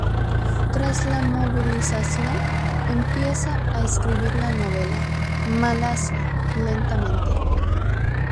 Tras la movilización, empieza a escribir la novela "Malasia", lentamente.